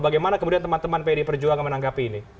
bagaimana kemudian teman teman pd perjuangan menanggapi ini